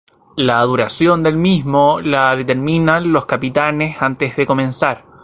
La duración del mismo la determinan los capitanes antes de comenzar.